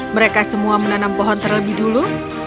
mereka semua menanam pohon terlebih dulu